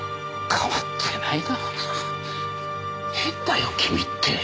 変だよ君って。